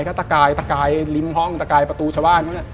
ก็ตะกายตะกายริมห้องตะกายประตูชาว่าน